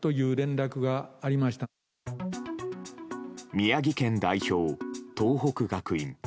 宮城県代表、東北学院。